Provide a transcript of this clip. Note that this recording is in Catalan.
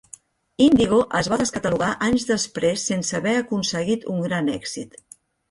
Indigo es va descatalogar anys després sense haver aconseguit un gran èxit.